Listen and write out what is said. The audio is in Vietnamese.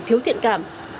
thiếu thiện cảm